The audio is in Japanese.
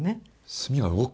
墨が動く？